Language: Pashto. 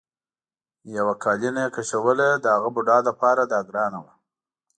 یوه قالینه کشوله د هغه بوډا لپاره دا ګرانه وه.